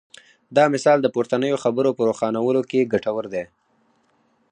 دا مثال د پورتنیو خبرو په روښانولو کې ګټور دی.